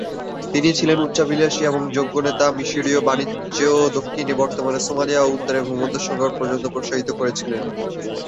তিনি ছিলেন উচ্চাভিলাষী এবং যোগ্য নেতা, মিশরীয় বাণিজ্য দক্ষিণে বর্তমান সোমালিয়া এবং উত্তরে ভূমধ্যসাগর পর্যন্ত প্রসারিত করেছিলেন।